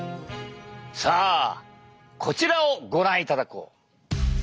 さぁこちらをご覧いただこう！